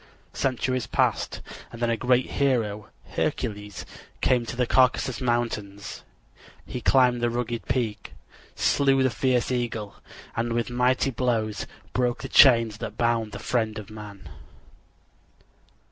Centuries passed and then a great hero, Hercules, came to the Caucasus Mountains. He climbed the rugged peak, slew the fierce eagle, and with mighty blows broke the chains that bound the friend of man.